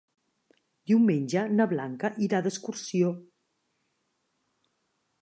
Diumenge na Blanca irà d'excursió.